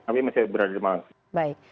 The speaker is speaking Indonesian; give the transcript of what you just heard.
tapi masih berada di malang